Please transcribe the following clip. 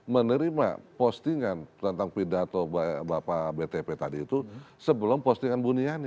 menerima postingan tentang pidato bapak btp tadi itu sebelum postingan buniani